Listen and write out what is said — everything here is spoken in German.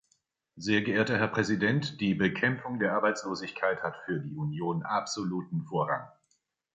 Sehr geehrter Herr Präsident, die Bekämpfung der Arbeitslosigkeit hat für die Union absoluten Vorrang.